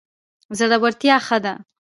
زړورتیا ښه ده.